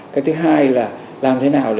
cái thứ hai là làm thế nào